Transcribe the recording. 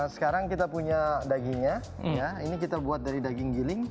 sekarang kita punya dagingnya ini kita buat dari daging giling